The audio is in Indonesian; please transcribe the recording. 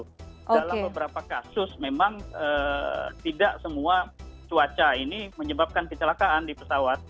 dalam beberapa kasus memang tidak semua cuaca ini menyebabkan kecelakaan di pesawat